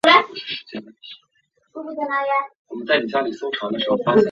小囊鼠属等之数种哺乳动物。